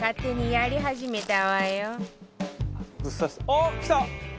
あっきた！